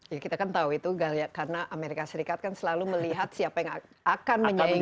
ya kita kan tahu itu karena amerika serikat kan selalu melihat siapa yang akan menyaingi